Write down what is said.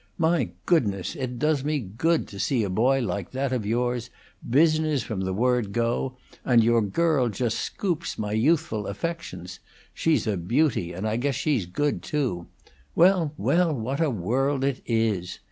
My goodness! it does me good to see a boy like that of yours; business, from the word go; and your girl just scoops my youthful affections. She's a beauty, and I guess she's good, too. Well, well, what a world it is!